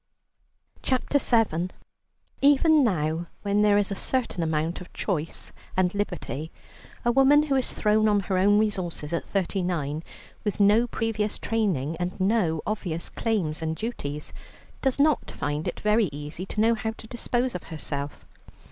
CHAPTER VII Even now, when there is a certain amount of choice and liberty, a woman who is thrown on her own resources at thirty nine, with no previous training, and no obvious claims and duties, does not find it very easy to know how to dispose of herself.